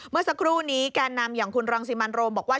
เมื่อสักครู่นี้แก่นำอย่างคุณรังสิมันโรมบอกว่า